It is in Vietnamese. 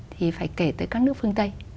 thì phải kể tới các nước phương tây